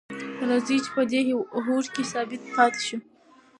راځئ چې په دې هوډ کې ثابت پاتې شو.